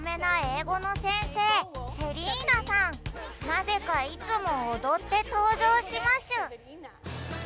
なぜかいつもおどってとうじょうしましゅ